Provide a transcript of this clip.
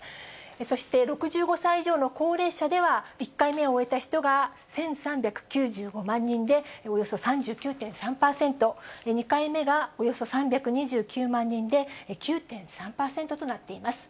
そして、６５歳以上の高齢者では、１回目を終えた人が１３９５万人で、およそ３９．３％、２回目がおよそ３２９万人で９．３％となっています。